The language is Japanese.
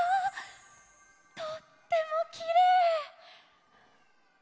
とってもきれい！